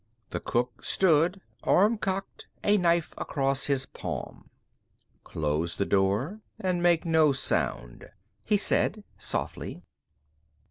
The cook stood, arm cocked, a knife across his palm. "Close the door and make no sound," he said softly.